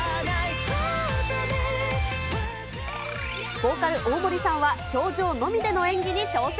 ボーカル、大森さんは表情のみでの演技に挑戦。